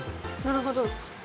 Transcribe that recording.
なるほど。